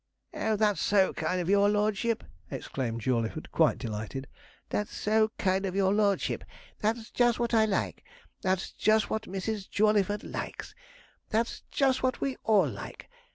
'Oh, that's so kind of your lordship!' exclaimed Jawleyford, quite delighted 'that's so kind of your lordship that's just what I like! that's just what Mrs. Jawleyford likes! that's just what we all like!